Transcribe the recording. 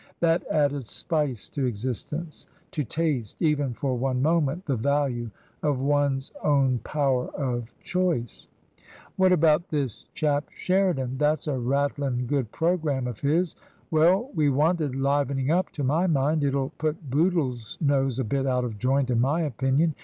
That added spice to existence — ^to taste, even for one moment, the value of one's own power of choice ! "What about this chap Sheridan? That's a rattlin' good programme of his." "Well, we wanted livening up, to my mind. It'll put Bootle's nose a bit out of joint, in my opinion.